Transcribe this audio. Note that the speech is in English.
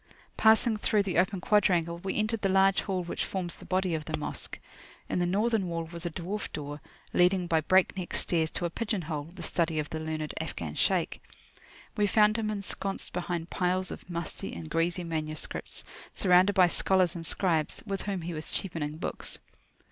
Passing through the open quadrangle, we entered the large hall which forms the body of the Mosque. In the northern wall was a dwarf door, leading by breakneck stairs to a pigeon hole, the study of the learned Afghan Shaykh. We found him ensconced behind piles of musty and greasy manuscripts, surrounded by scholars and scribes, with whom he was cheapening books.